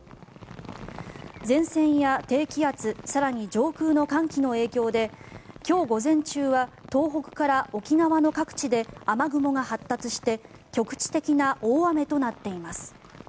前線や低気圧更に、上空の寒気の影響で今日午前中は東北から沖縄の各地で雨雲が発達して局地的な大雨となっています。